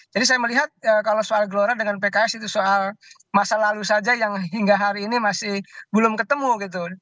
jadi saya melihat kalau soal gelora dengan pks itu soal masa lalu saja yang hingga hari ini masih belum ketemu gitu